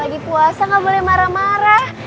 lagi puasa gak boleh marah marah